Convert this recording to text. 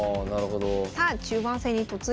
さあ中盤戦に突入です。